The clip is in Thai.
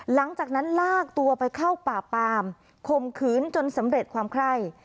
หลังจากนั้นลากตัวไปเข้าป่าปามข่มขืนจนสำเร็จความไคร่